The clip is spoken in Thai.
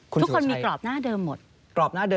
ทุกคนมีกรอบหน้าเดิมหมด